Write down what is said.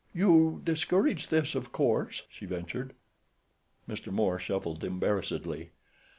"You discourage this, of course?" she ventured. Mr. Moore shuffled embarrassedly.